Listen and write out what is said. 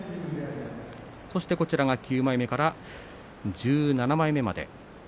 ９枚目から１７枚目まで。